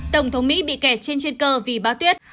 tổng thống mỹ bị kẹt trên chuyên cơ vì báo tuyết